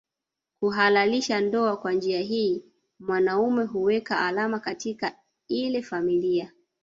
Kuhalalisha ndoa Kwa njia hii mwanaume huweka alama katika ile familia